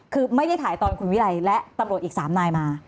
คือไม่ได้ถ่ายตอนคุณวิรัยและตำรวจอีก๓นายมา